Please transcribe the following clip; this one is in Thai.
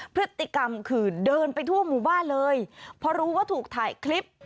พฤติกรรมคือเดินไปทั่วหมู่บ้านเลยพอรู้ว่าถูกถ่ายคลิป